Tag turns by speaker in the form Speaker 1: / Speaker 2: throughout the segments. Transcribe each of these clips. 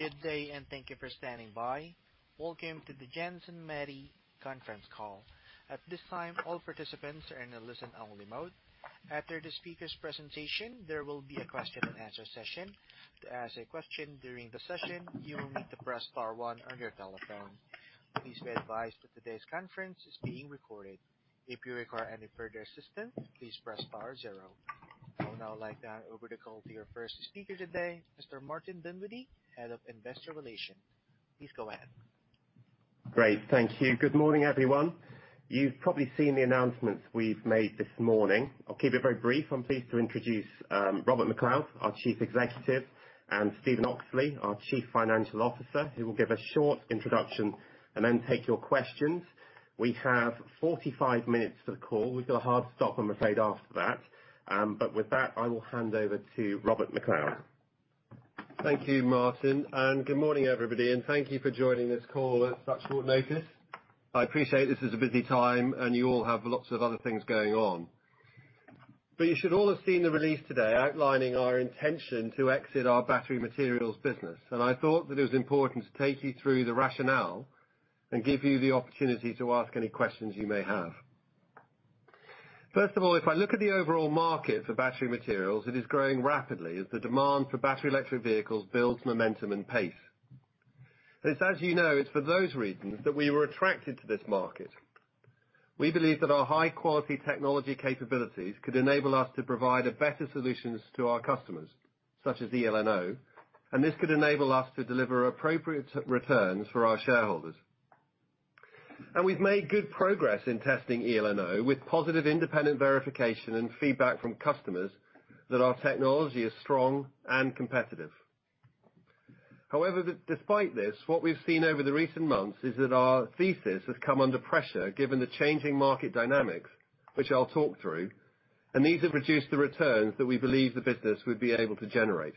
Speaker 1: Good day and thank you for standing by. Welcome to the Johnson Matthey Conference Call. At this time, all participants are in a listen-only mode. After the speaker's presentation, there will be a question-and-answer session. To ask a question during the session, you will need to press star one on your telephone. Please be advised that today's conference is being recorded. If you require any further assistance, please press star zero. I would now like to hand over the call to your first speaker today, Mr. Martin Dunwoodie, Head of Investor Relations. Please go ahead.
Speaker 2: Great. Thank you. Good morning, everyone. You've probably seen the announcements we've made this morning. I'll keep it very brief. I'm pleased to introduce Robert MacLeod, our Chief Executive, and Stephen Oxley, our Chief Financial Officer, who will give a short introduction and then take your questions. We have 45 minutes for the call. We've got a hard stop, I'm afraid, after that. With that, I will hand over to Robert MacLeod.
Speaker 3: Thank you, Martin, and good morning, everybody, and thank you for joining this call at such short notice. I appreciate this is a busy time, and you all have lots of other things going on. You should all have seen the release today outlining our intention to exit our battery materials business, and I thought that it was important to take you through the rationale and give you the opportunity to ask any questions you may have. First of all, if I look at the overall market for battery materials, it is growing rapidly as the demand for battery electric vehicles builds momentum and pace. It's as you know, it's for those reasons that we were attracted to this market. We believe that our high-quality technology capabilities could enable us to provide a better solutions to our customers, such as eLNO, and this could enable us to deliver appropriate returns for our shareholders. We've made good progress in testing eLNO with positive independent verification and feedback from customers that our technology is strong and competitive. However, despite this, what we've seen over the recent months is that our thesis has come under pressure given the changing market dynamics, which I'll talk through, and these have reduced the returns that we believe the business would be able to generate.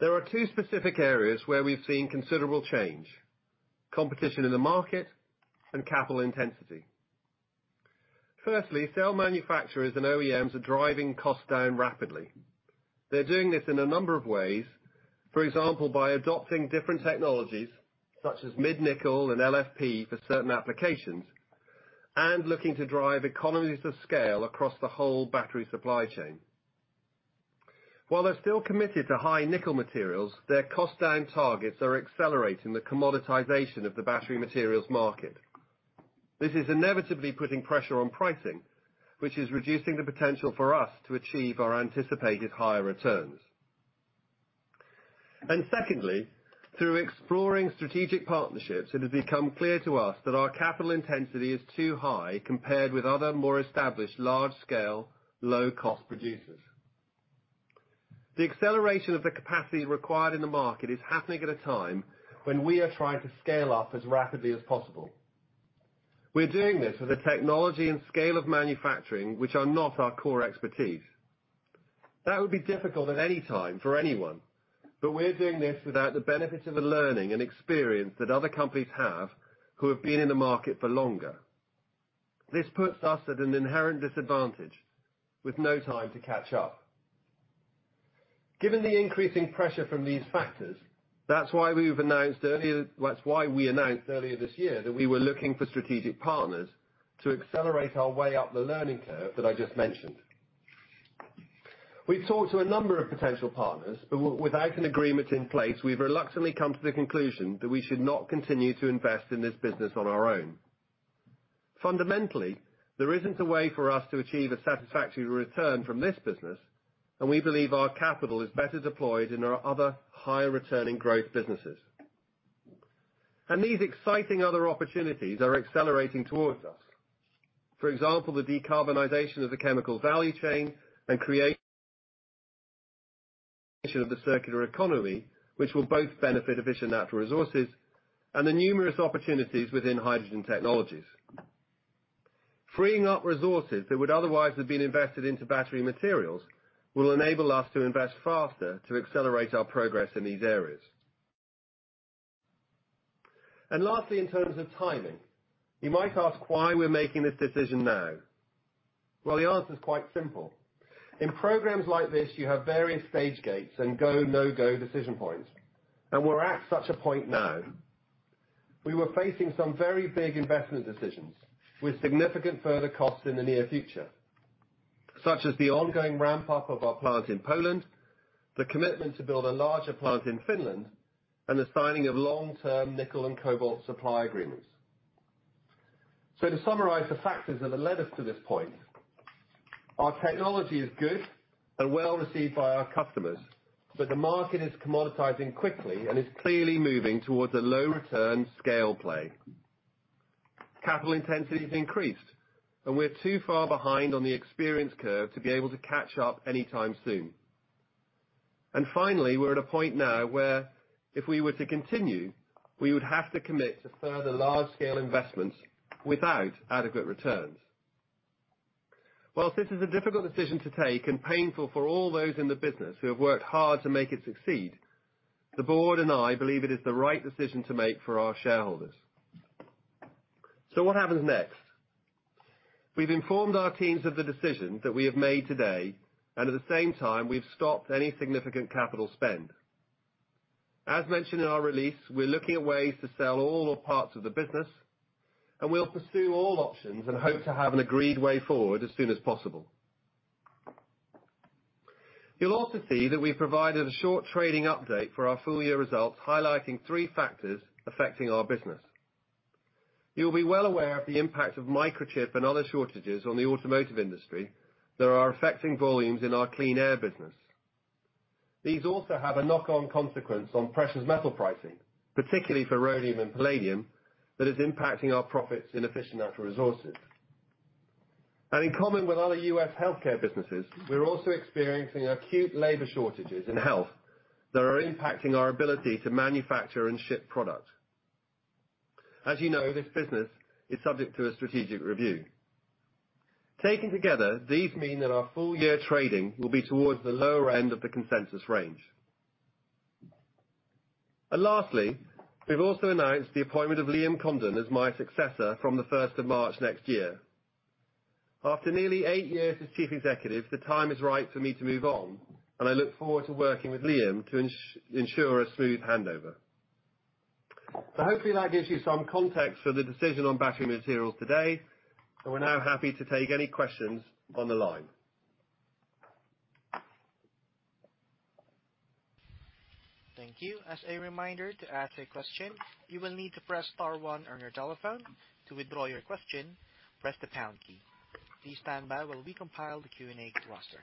Speaker 3: There are two specific areas where we've seen considerable change: competition in the market and capital intensity. Firstly, cell manufacturers and OEMs are driving costs down rapidly. They're doing this in a number of ways. For example, by adopting different technologies such as mid-nickel and LFP for certain applications and looking to drive economies of scale across the whole battery supply chain. While they're still committed to high nickel materials, their cost down targets are accelerating the commoditization of the battery materials market. This is inevitably putting pressure on pricing, which is reducing the potential for us to achieve our anticipated higher returns. Secondly, through exploring strategic partnerships, it has become clear to us that our capital intensity is too high compared with other more established large scale, low-cost producers. The acceleration of the capacity required in the market is happening at a time when we are trying to scale up as rapidly as possible. We're doing this with the technology and scale of manufacturing which are not our core expertise. That would be difficult at any time for anyone, but we're doing this without the benefit of the learning and experience that other companies have who have been in the market for longer. This puts us at an inherent disadvantage with no time to catch up. Given the increasing pressure from these factors, that's why we announced earlier this year that we were looking for strategic partners to accelerate our way up the learning curve that I just mentioned. We've talked to a number of potential partners, but without an agreement in place, we've reluctantly come to the conclusion that we should not continue to invest in this business on our own. Fundamentally, there isn't a way for us to achieve a satisfactory return from this business, and we believe our capital is better deployed in our other higher returning growth businesses. These exciting other opportunities are accelerating towards us. For example, the decarbonization of the chemical value chain and creation of the circular economy, which will both benefit efficient natural resources and the numerous opportunities within Hydrogen Technologies. Freeing up resources that would otherwise have been invested into battery materials will enable us to invest faster to accelerate our progress in these areas. Lastly, in terms of timing, you might ask why we're making this decision now. Well, the answer is quite simple. In programs like this, you have various stage gates and go, no-go decision points, and we're at such a point now. We were facing some very big investment decisions with significant further costs in the near future, such as the ongoing ramp up of our plant in Poland, the commitment to build a larger plant in Finland, and the signing of long-term nickel and cobalt supply agreements. To summarize the factors that have led us to this point, our technology is good and well received by our customers, but the market is commoditizing quickly and is clearly moving towards a low return scale play. Capital intensity has increased, and we're too far behind on the experience curve to be able to catch up anytime soon. Finally, we're at a point now where if we were to continue, we would have to commit to further large-scale investments without adequate returns. While this is a difficult decision to take and painful for all those in the business who have worked hard to make it succeed, the board and I believe it is the right decision to make for our shareholders. What happens next? We've informed our teams of the decision that we have made today, and at the same time, we've stopped any significant capital spend. As mentioned in our release, we're looking at ways to sell all or parts of the business, and we'll pursue all options and hope to have an agreed way forward as soon as possible. You'll also see that we've provided a short trading update for our full year results, highlighting three factors affecting our business. You'll be well aware of the impact of microchip and other shortages on the automotive industry that are affecting volumes in our Clean Air business. These also have a knock-on consequence on precious metal pricing, particularly for rhodium and palladium, that is impacting our profits in efficient natural resources. In common with other U.S. healthcare businesses, we're also experiencing acute labor shortages in health that are impacting our ability to manufacture and ship product. As you know, this business is subject to a strategic review. Taken together, these mean that our full year trading will be towards the lower end of the consensus range. Lastly, we've also announced the appointment of Liam Condon as my successor from the first of March next year. After nearly eight years as Chief Executive, the time is right for me to move on, and I look forward to working with Liam to ensure a smooth handover. Hopefully that gives you some context for the decision on battery materials today, and we're now happy to take any questions on the line.
Speaker 1: Thank you. As a reminder, to ask a question, you will need to press star one on your telephone. To withdraw your question, press the pound key. Please stand by while we compile the Q&A roster.
Speaker 3: Okay.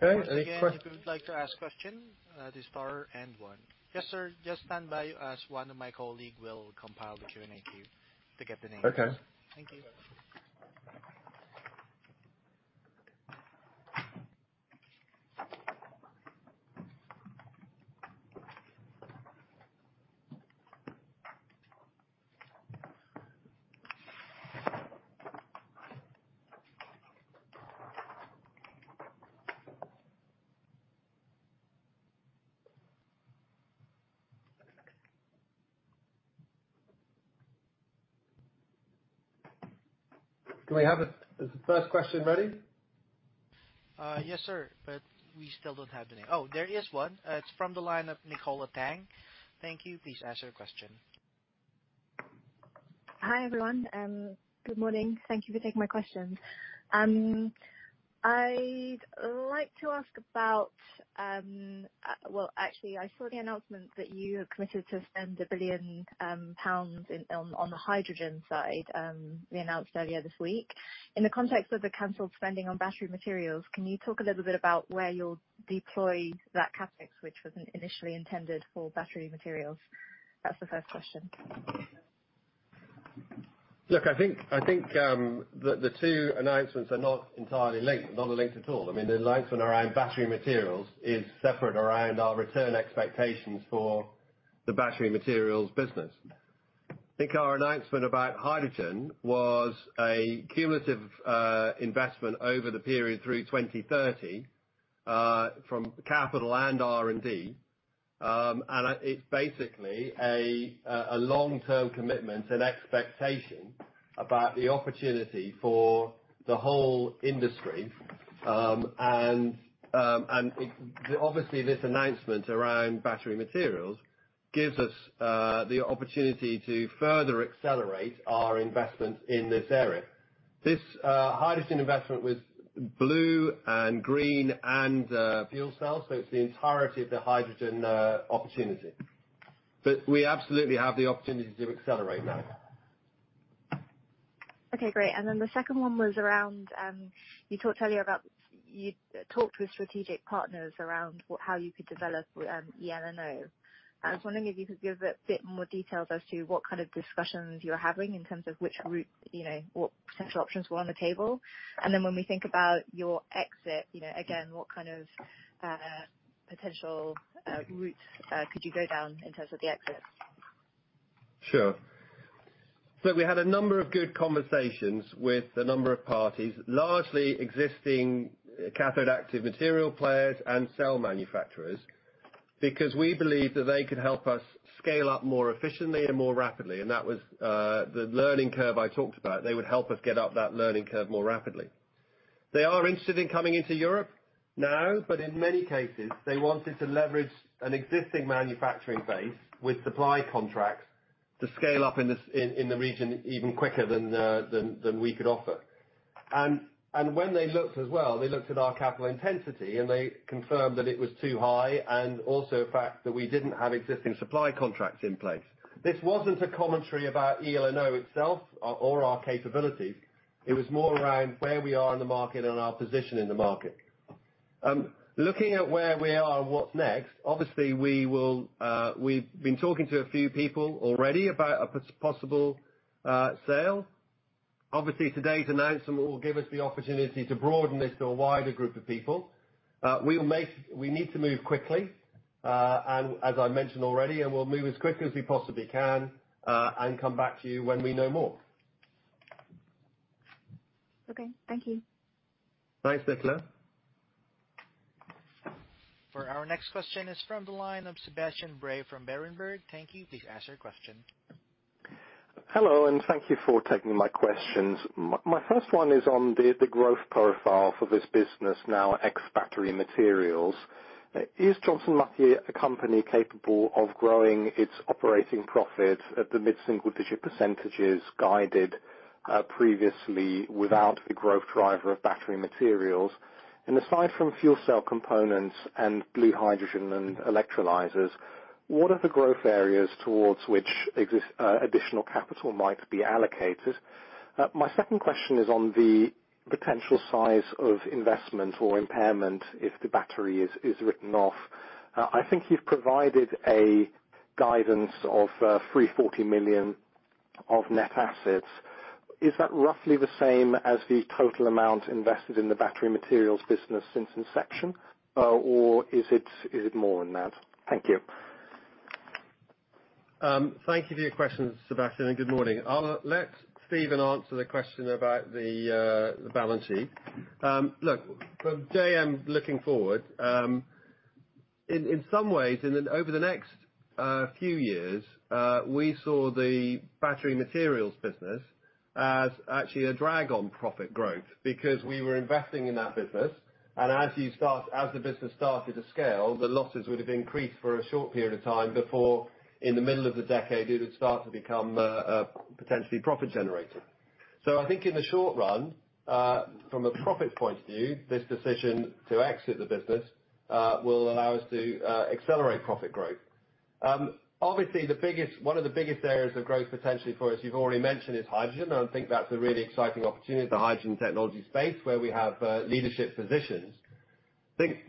Speaker 1: Once again, if you would like to ask a question, press star one. Yes, sir. Just stand by as one of my colleagues will compile the Q&A queue to get the names.
Speaker 3: Okay.
Speaker 1: Thank you.
Speaker 3: Do I have it? Is the first question ready?
Speaker 1: Yes, sir, but we still don't have the name. There is one. It's from the line of Nicola Tang. Thank you. Please ask your question.
Speaker 4: Hi, everyone, and good morning. Thank you for taking my questions. I'd like to ask about. Well, actually, I saw the announcement that you have committed to spend 1 billion pounds on the hydrogen side, you announced earlier this week. In the context of the canceled spending on battery materials, can you talk a little bit about where you'll deploy that CapEx, which was initially intended for battery materials? That's the first question.
Speaker 3: Look, I think the two announcements are not entirely linked. Not linked at all. I mean, the announcement around battery materials is separate around our return expectations for the battery materials business. I think our announcement about hydrogen was a cumulative investment over the period through 2030 from capital and R&D. It's basically a long-term commitment and expectation about the opportunity for the whole industry. Obviously, this announcement around battery materials gives us the opportunity to further accelerate our investment in this area. This hydrogen investment was blue and green and fuel cells, so it's the entirety of the hydrogen opportunity. We absolutely have the opportunity to accelerate that.
Speaker 4: Okay, great. Then the second one was around you talked earlier with strategic partners around how you could develop eLNO. I was wondering if you could give a bit more details as to what kind of discussions you're having in terms of which route, you know, what potential options were on the table. Then when we think about your exit, you know, again, what kind of potential routes could you go down in terms of the exit?
Speaker 3: Sure. We had a number of good conversations with a number of parties, largely existing cathode active material players and cell manufacturers, because we believe that they could help us scale up more efficiently and more rapidly, and that was the learning curve I talked about. They would help us get up that learning curve more rapidly. They are interested in coming into Europe now, but in many cases, they wanted to leverage an existing manufacturing base with supply contracts to scale up in the region even quicker than we could offer. When they looked as well, they looked at our capital intensity, and they confirmed that it was too high and also the fact that we didn't have existing supply contracts in place. This wasn't a commentary about eLNO itself or our capabilities. It was more around where we are in the market and our position in the market. Looking at where we are and what's next, obviously we will. We've been talking to a few people already about a possible sale. Obviously, today's announcement will give us the opportunity to broaden this to a wider group of people. We need to move quickly, and as I mentioned already, and we'll move as quickly as we possibly can, and come back to you when we know more.
Speaker 4: Okay. Thank you.
Speaker 3: Thanks, Nicola.
Speaker 1: For our next question is from the line of Sebastian Bray from Berenberg. Thank you. Please ask your question.
Speaker 5: Hello, and thank you for taking my questions. My first one is on the growth profile for this business now ex battery materials. Is Johnson Matthey a company capable of growing its operating profit at the mid-single-digit percentages guided previously without the growth driver of battery materials? Aside from fuel cell components and blue hydrogen and electrolyzers, what are the growth areas towards which additional capital might be allocated? My second question is on the potential size of investment or impairment if the battery is written off. I think you've provided a guidance of 340 million of net assets. Is that roughly the same as the total amount invested in the battery materials business since inception, or is it more than that? Thank you.
Speaker 3: Thank you for your questions, Sebastian, and good morning. I'll let Stephen answer the question about the balance sheet. Look, from day, looking forward, in some ways, and then over the next few years, we saw the battery materials business as actually a drag on profit growth because we were investing in that business, and as the business started to scale, the losses would have increased for a short period of time before, in the middle of the decade, it would start to become potentially profit generating. I think in the short run, from a profit point of view, this decision to exit the business will allow us to accelerate profit growth. Obviously, one of the biggest areas of growth potentially for us, you've already mentioned, is hydrogen. I think that's a really exciting opportunity, the hydrogen technology space where we have leadership positions.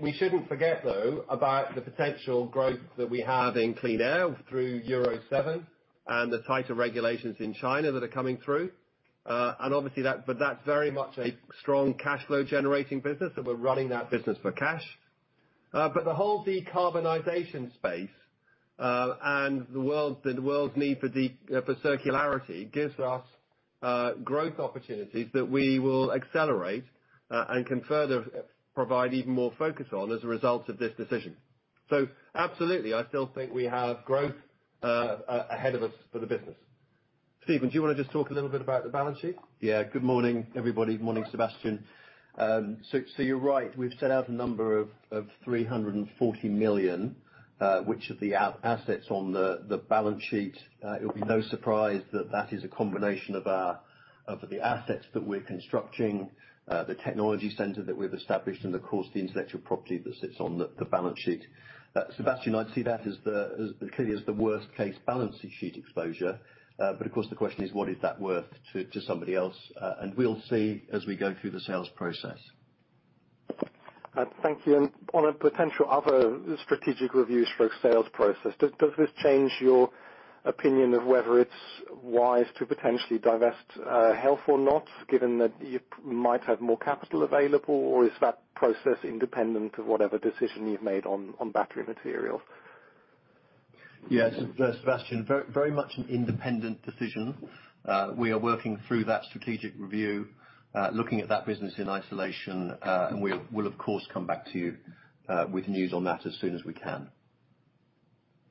Speaker 3: We shouldn't forget, though, about the potential growth that we have in Clean Air through Euro 7 and the tighter regulations in China that are coming through. But that's very much a strong cash flow generating business, that we're running that business for cash. But the whole decarbonization space, and the world's need for circularity, gives us growth opportunities that we will accelerate, and can further provide even more focus on as a result of this decision. Absolutely, I still think we have growth ahead of us for the business. Stephen, do you wanna just talk a little bit about the balance sheet?
Speaker 6: Yeah. Good morning, everybody. Morning, Sebastian. So you're right, we've set out a number of 340 million, which of the outstanding assets on the balance sheet. Sebastian, I'd see that as clearly the worst case balance sheet exposure. But of course the question is what is that worth to somebody else? We'll see as we go through the sales process.
Speaker 5: Thank you. On a potential other strategic reviews for sales process, does this change your opinion of whether it's wise to potentially divest health or not, given that you might have more capital available? Or is that process independent of whatever decision you've made on battery materials?
Speaker 6: Yes, Sebastian, very much an independent decision. We are working through that strategic review, looking at that business in isolation. We'll of course come back to you with news on that as soon as we can.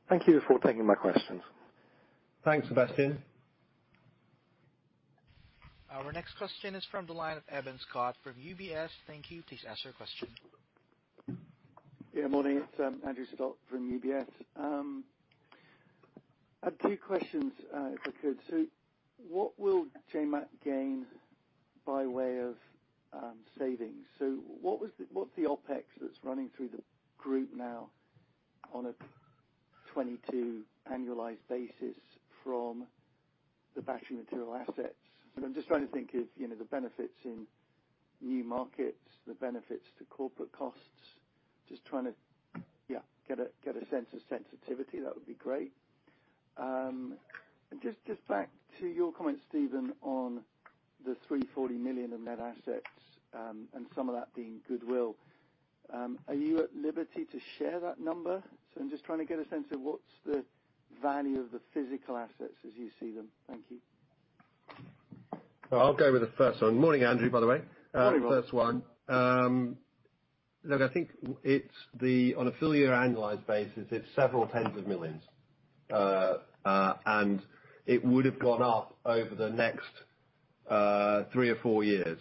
Speaker 5: Thank you for taking my questions.
Speaker 3: Thanks, Sebastian.
Speaker 1: Our next question is from the line of Evan Scott from UBS. Thank you. Please ask your question.
Speaker 7: Yeah, morning. It's Andrew Stott from UBS. I have two questions, if I could. What will JM gain by way of savings? What's the OpEx that's running through the group now on a 2022 annualized basis from the battery materials assets? I'm just trying to think of, you know, the benefits in new markets, the benefits to corporate costs. Just trying to get a sense of sensitivity. That would be great. Just back to your comment, Stephen, on the 340 million of net assets, and some of that being goodwill. Are you at liberty to share that number? I'm just trying to get a sense of what's the value of the physical assets as you see them. Thank you.
Speaker 3: I'll go with the first one. Morning, Andrew, by the way.
Speaker 7: Morning.
Speaker 3: First one. Look, I think it's on a full year annualized basis, it's several tens of millions. It would've gone up over the next three or four years.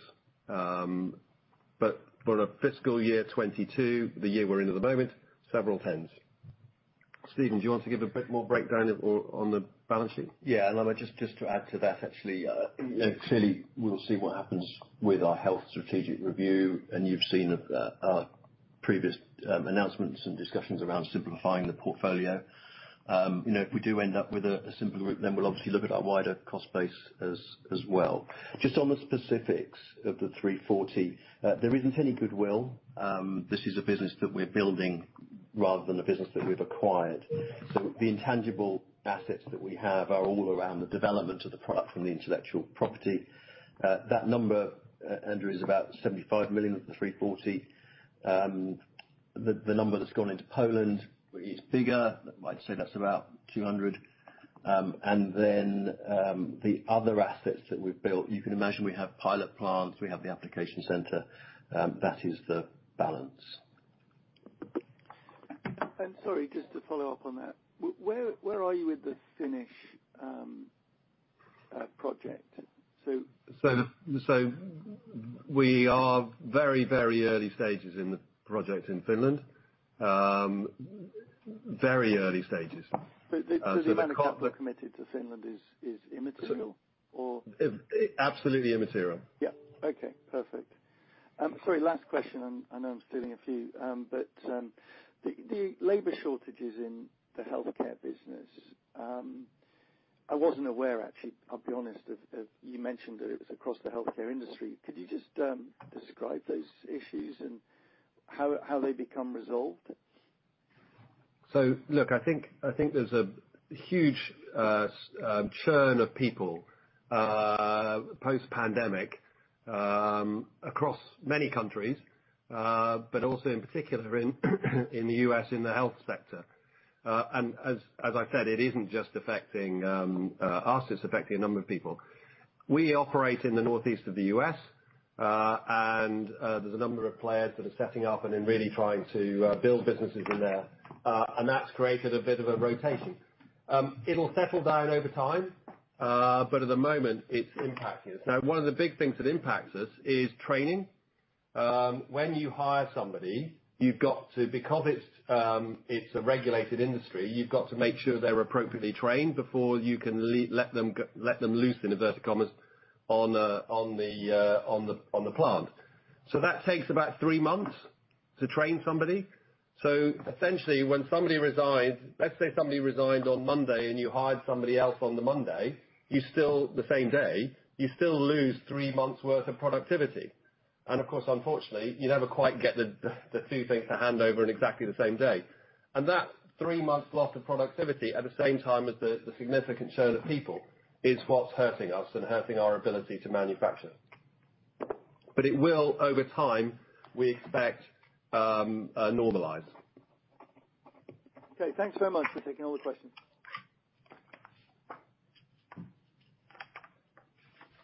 Speaker 3: For a fiscal year 2022, the year we're in at the moment, several tens. Stephen, do you want to give a bit more breakdown at or on the balance sheet?
Speaker 6: I might just add to that actually, you know, clearly we'll see what happens with our Health strategic review, and you've seen our previous announcements and discussions around simplifying the portfolio. You know, if we do end up with a simpler route, then we'll obviously look at our wider cost base as well. Just on the specifics of the 340, there isn't any goodwill. This is a business that we're building Rather than the business that we've acquired. The intangible assets that we have are all around the development of the product from the intellectual property. That number, Andrew, is about 75 million of the 340 million. The number that's gone into Poland is bigger. I'd say that's about 200 million. The other assets that we've built, you can imagine we have pilot plants, we have the application center, that is the balance.
Speaker 7: I'm sorry, just to follow up on that. Where are you with the Finnish project?
Speaker 3: We are very, very early stages in the project in Finland. Very early stages.
Speaker 7: The amount of capital committed to Finland is immaterial or
Speaker 3: Absolutely immaterial.
Speaker 7: Yeah. Okay, perfect. Sorry, last question, and I know I'm stealing a few. The labor shortages in the healthcare business, I wasn't aware actually, I'll be honest, of. You mentioned that it was across the healthcare industry. Could you just describe those issues and how they become resolved?
Speaker 3: Look, I think there's a huge churn of people post-pandemic across many countries, but also in particular in the U.S. in the health sector. As I said, it isn't just affecting us, it's affecting a number of people. We operate in the northeast of the U.S., and there's a number of players that are setting up and then really trying to build businesses in there. That's created a bit of a rotation. It will settle down over time, but at the moment, it's impacting us. Now, one of the big things that impacts us is training. When you hire somebody, you've got to, because it's a regulated industry, you've got to make sure they're appropriately trained before you can let them loose, inverted commas, on the plant. That takes about three months to train somebody. Essentially, when somebody resigns, let's say somebody resigned on Monday and you hired somebody else on the Monday, the same day, you still lose three months worth of productivity. Of course, unfortunately, you never quite get the two things to hand over on exactly the same day. That three months loss of productivity at the same time as the significant churn of people is what's hurting us and hurting our ability to manufacture. It will, over time, we expect, normalize.
Speaker 7: Okay, thanks very much for taking all the questions.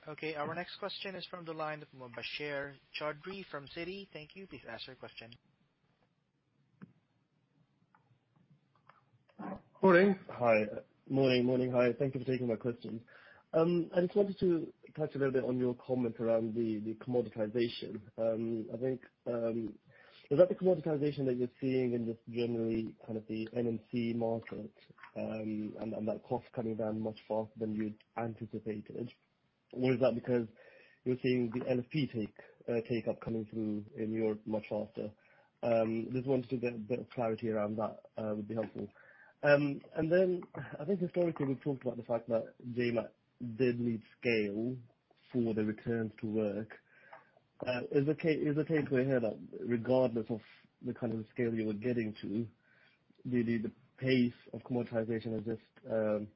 Speaker 1: Okay, our next question is from the line of Mubasher Chaudhry from Citi. Thank you. Please ask your question.
Speaker 8: Morning. Hi. Morning. Morning. Hi. Thank you for taking my questions. I just wanted to touch a little bit on your comment around the commoditization. I think is that the commoditization that you're seeing in just generally kind of the NMC market, and that cost coming down much faster than you'd anticipated? Or is that because you're seeing the LFP take-up coming through in Europe much faster? Just wanted to get a bit of clarity around that, would be helpful. Then I think historically, we've talked about the fact that they did need scale for the returns to work. Is the case we heard that regardless of the kind of scale you were getting to, really the pace of commoditization is just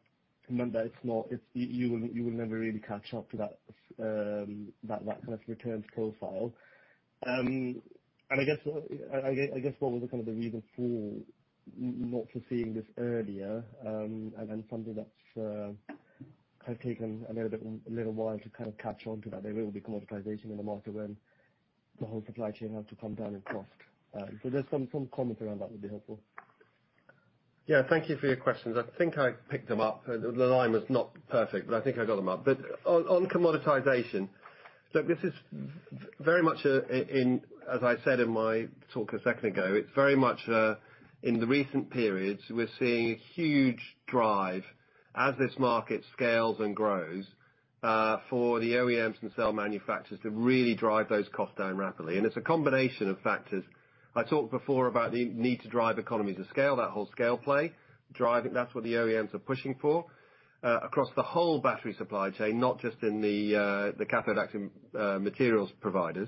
Speaker 8: meant that it's not. It's. You will never really catch up to that kind of returns profile. I guess what was the kind of the reason for not foreseeing this earlier, and then something that's kind of taken a little bit, a little while to kind of catch on to that, there will be commoditization in the market when the whole supply chain have to come down in cost. Just some comments around that would be helpful.
Speaker 3: Yeah, thank you for your questions. I think I picked them up. The line was not perfect, but I think I got them up. On commoditization. Look, this is very much in, as I said in my talk a second ago, it's very much in the recent periods, we're seeing a huge drive as this market scales and grows for the OEMs and cell manufacturers to really drive those costs down rapidly. It's a combination of factors. I talked before about the need to drive economies of scale, that whole scale play, driving. That's what the OEMs are pushing for across the whole battery supply chain, not just in the cathode active materials providers.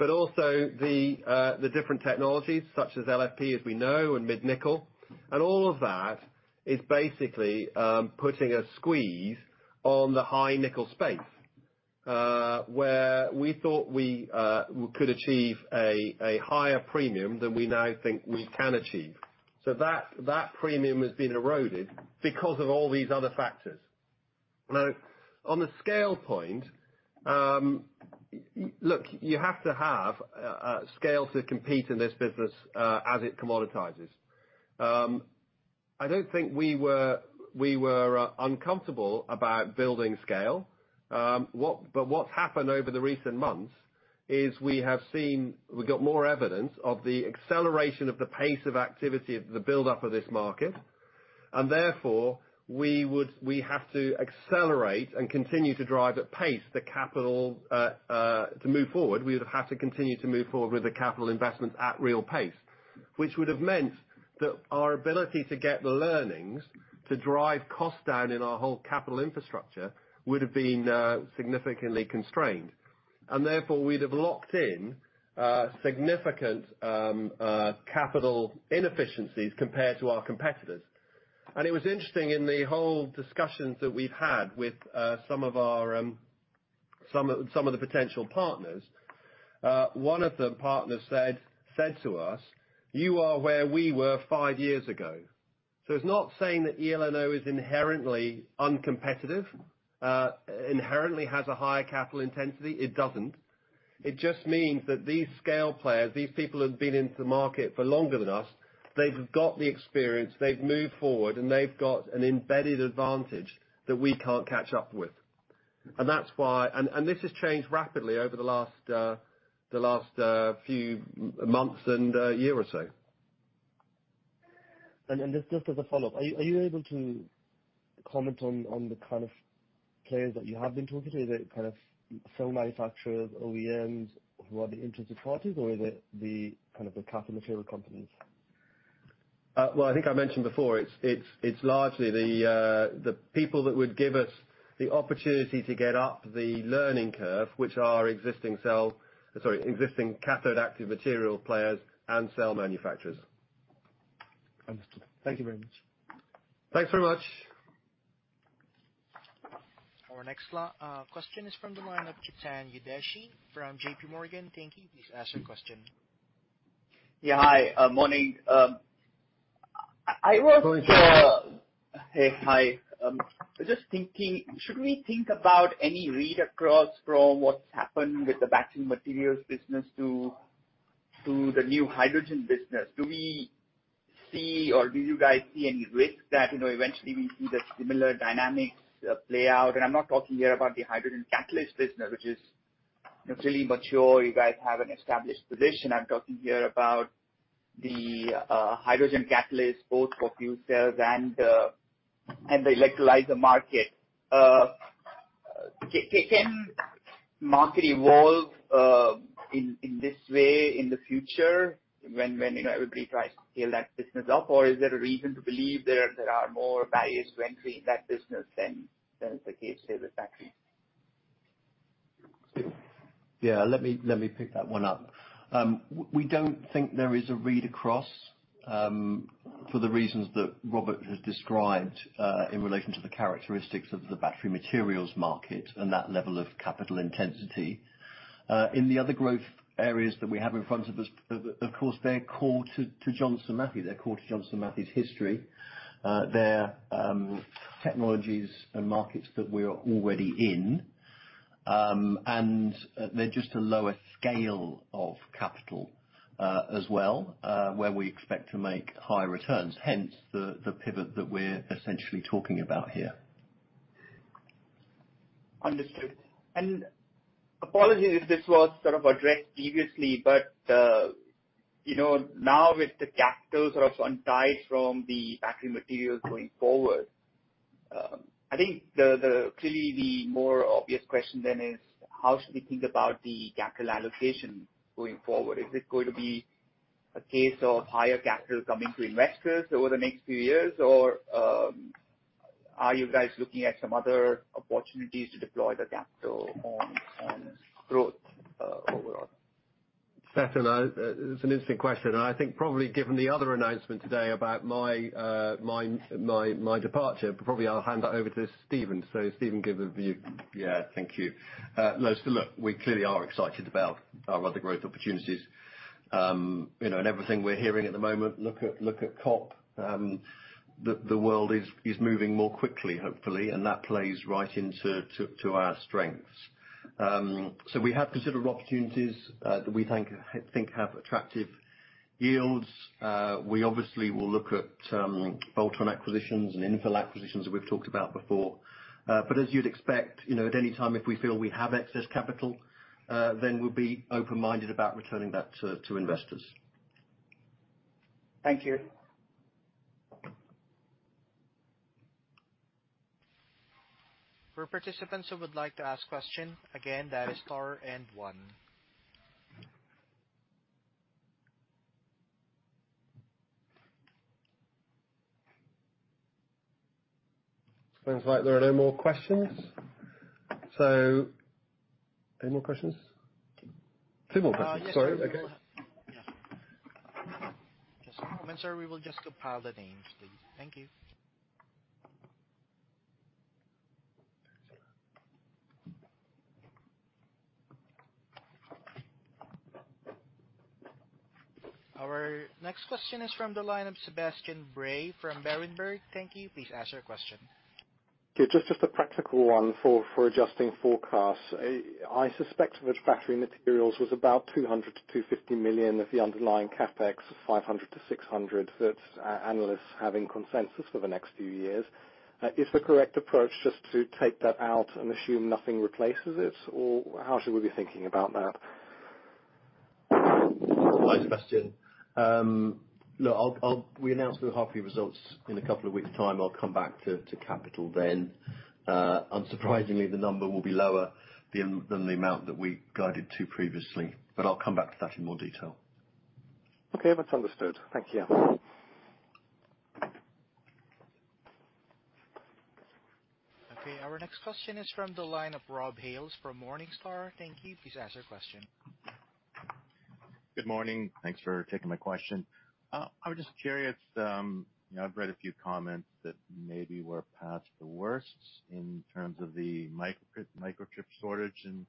Speaker 3: Also the different technologies such as LFP, as we know, and mid-nickel. All of that is basically putting a squeeze on the high nickel space, where we thought we could achieve a higher premium than we now think we can achieve. That premium has been eroded because of all these other factors. Now, on the scale point, look, you have to have scale to compete in this business, as it commoditizes. I don't think we were uncomfortable about building scale. What's happened over the recent months is we got more evidence of the acceleration of the pace of activity of the buildup of this market. Therefore, we have to accelerate and continue to drive at pace the capital to move forward. We would have to continue to move forward with the capital investments at real pace, which would have meant that our ability to get the learnings to drive costs down in our whole capital infrastructure would have been significantly constrained. Therefore, we'd have locked in significant capital inefficiencies compared to our competitors. It was interesting in the whole discussions that we've had with some of our, some of the potential partners. One of the partners said to us, "You are where we were five years ago." It's not saying that eLNO is inherently uncompetitive, inherently has a higher capital intensity. It doesn't. It just means that these scale players, these people who've been into the market for longer than us, they've got the experience, they've moved forward, and they've got an embedded advantage that we can't catch up with. That's why this has changed rapidly over the last few months and year or so.
Speaker 8: Just as a follow-up, are you able to comment on the kind of players that you have been talking to? Is it kind of cell manufacturers, OEMs who are the interested parties or is it the kind of the cathode material companies?
Speaker 3: Well, I think I mentioned before, it's largely the people that would give us the opportunity to get up the learning curve, which are existing cathode active material players and cell manufacturers.
Speaker 8: Understood. Thank you very much.
Speaker 3: Thanks very much.
Speaker 1: Our next question is from the line of Chetan Udeshi from JPMorgan. Thank you, please ask your question.
Speaker 9: Yeah, hi. Morning. I was
Speaker 3: Go ahead.
Speaker 9: Hey, hi. Just thinking, should we think about any read across from what's happened with the battery materials business to the new hydrogen business? Do we see or do you guys see any risk that, you know, eventually we see the similar dynamics play out? I'm not talking here about the hydrogen catalyst business, which is, you know, fairly mature. You guys have an established position. I'm talking here about the hydrogen catalyst, both for fuel cells and the electrolyzer market. Can the market evolve in this way in the future when, you know, everybody tries to scale that business up? Or is there a reason to believe there are more barriers to entry in that business than is the case, say, with batteries?
Speaker 3: Stephen.
Speaker 6: Yeah, let me pick that one up. We don't think there is a read across for the reasons that Robert has described in relation to the characteristics of the battery materials market and that level of capital intensity. In the other growth areas that we have in front of us, of course, they're core to Johnson Matthey. They're core to Johnson Matthey's history. They're technologies and markets that we're already in. And they're just a lower scale of capital as well where we expect to make higher returns, hence the pivot that we're essentially talking about here.
Speaker 9: Understood. Apologies if this was sort of addressed previously, but you know, now with the capital sort of untied from the battery materials going forward, I think clearly the more obvious question then is how should we think about the capital allocation going forward? Is it going to be a case of higher capital coming to investors over the next few years? Or are you guys looking at some other opportunities to deploy the capital on growth overall?
Speaker 3: Chetan, it's an interesting question, and I think probably given the other announcement today about my departure, probably I'll hand that over to Stephen. Stephen, give a view.
Speaker 6: Yeah. Thank you. No, look, we clearly are excited about our other growth opportunities. You know, everything we're hearing at the moment, look at COP. The world is moving more quickly, hopefully, and that plays right into our strengths. We have considered opportunities that we think have attractive yields. We obviously will look at bolt-on acquisitions and infill acquisitions that we've talked about before. As you'd expect, you know, at any time, if we feel we have excess capital, then we'll be open-minded about returning that to investors.
Speaker 9: Thank you.
Speaker 1: For participants who would like to ask question, again, that is star and one.
Speaker 3: Sounds like there are no more questions. Any more questions? Two more questions. Sorry.
Speaker 1: Just a moment, sir. We will just compile the names, please. Thank you. Our next question is from the line of Sebastian Bray from Berenberg. Thank you. Please ask your question.
Speaker 5: Yeah, just a practical one for adjusting forecasts. I suspect that battery materials was about 200-250 million of the underlying CapEx, 500-600 that analysts have in consensus for the next few years. Is the correct approach just to take that out and assume nothing replaces it? Or how should we be thinking about that?
Speaker 6: Hi, Sebastian. Look, I'll we announce the half year results in a couple of weeks' time. I'll come back to capital then. Unsurprisingly, the number will be lower than the amount that we guided to previously, but I'll come back to that in more detail.
Speaker 5: Okay, that's understood. Thank you.
Speaker 1: Okay, our next question is from the line of Rob Hales from Morningstar. Thank you. Please ask your question.
Speaker 10: Good morning. Thanks for taking my question. I was just curious, you know, I've read a few comments that maybe we're past the worst in terms of the microchip shortage in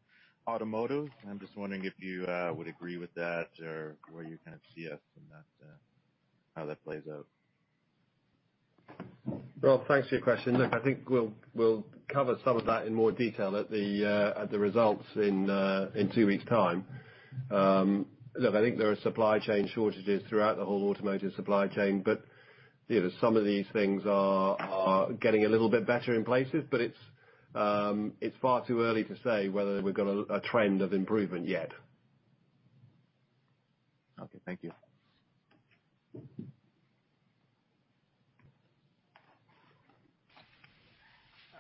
Speaker 10: automotive. I'm just wondering if you would agree with that or where you kind of see us in that, how that plays out.
Speaker 3: Rob, thanks for your question. Look, I think we'll cover some of that in more detail at the results in two weeks time. Look, I think there are supply chain shortages throughout the whole automotive supply chain. You know, some of these things are getting a little bit better in places, but it's far too early to say whether we've got a trend of improvement yet.
Speaker 10: Okay. Thank you.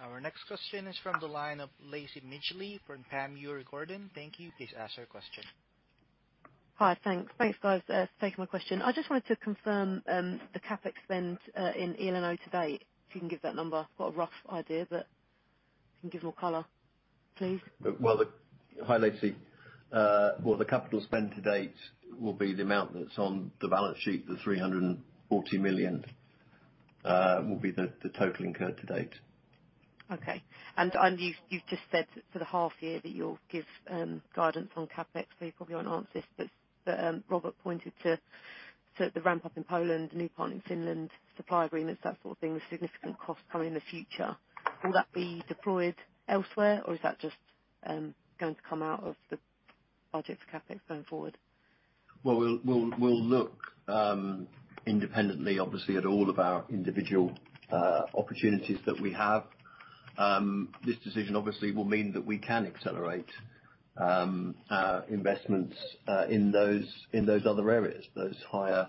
Speaker 1: Our next question is from the line of Lacie Midgley from Panmure Gordon. Thank you. Please ask your question.
Speaker 11: Hi. Thanks. Thanks, guys, for taking my question. I just wanted to confirm the CapEx spend in eLNO to date, if you can give that number. I've got a rough idea, but if you can give more color, please.
Speaker 6: Well, hi, Lacie. Well, the capital spend to date will be the amount that's on the balance sheet. 340 million will be the total incurred to date.
Speaker 11: Okay. You've just said for the half year that you'll give guidance on CapEx, so you probably won't answer this. Robert pointed to the ramp up in Poland, new partners in Finland, supply agreements, that sort of thing, with significant costs coming in the future. Will that be deployed elsewhere or is that just going to come out of the budget for CapEx going forward?
Speaker 6: Well, we'll look independently obviously at all of our individual opportunities that we have. This decision obviously will mean that we can accelerate our investments in those other areas, those higher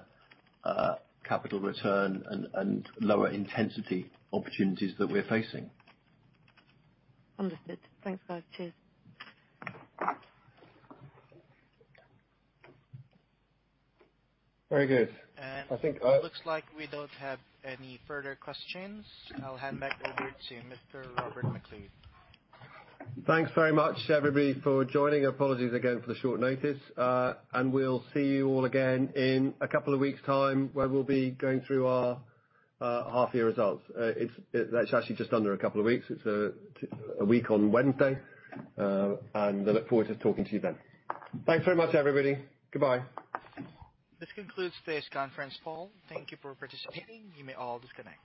Speaker 6: capital return and lower intensity opportunities that we're facing.
Speaker 11: Understood. Thanks, guys. Cheers.
Speaker 3: Very good.
Speaker 1: It looks like we don't have any further questions. I'll hand back over to Mr. Robert MacLeod.
Speaker 3: Thanks very much, everybody for joining. Apologies again for the short notice. We'll see you all again in a couple of weeks time where we'll be going through our half year results. That's actually just under a couple of weeks. It's a week on Wednesday. I look forward to talking to you then. Thanks very much, everybody. Goodbye.
Speaker 1: This concludes today's conference call. Thank you for participating. You may all disconnect.